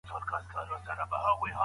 هغه عوامل چي دولت کمزوری کوي باید وپیژنو.